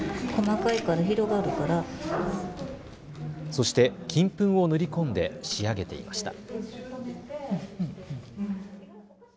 そして金粉を塗り込んで仕上げていました。